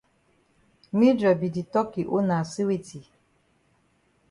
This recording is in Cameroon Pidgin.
Mildred be di tok yi own na say weti?